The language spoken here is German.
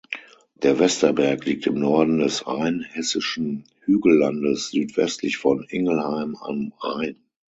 Der Westerberg liegt im Norden des Rheinhessischen Hügellandes südwestlich von Ingelheim am Rhein.